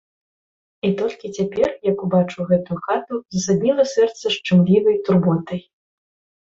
І толькі цяпер, як убачыў гэтую хату, засадніла сэрца шчымлівай турботай.